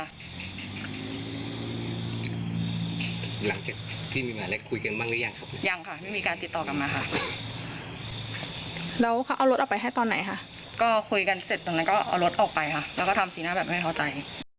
หลังจากที่มีปัญหาได้คุยกันบ้างหรือยังครับยังค่ะไม่มีการติดต่อกลับมาค่ะแล้วเขาเอารถออกไปให้ตอนไหนค่ะก็คุยกันเสร็จตรงนั้นก็เอารถออกไปค่ะแล้วก็ทำสีหน้าแบบไม่เข้าใจ